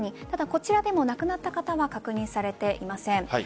ただ、こちらでも亡くなった方は確認されていません。